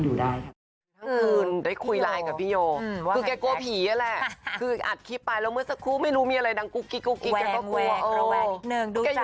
อยู่ด้วยอยู่ในบ้านคนเดียวก็น่อย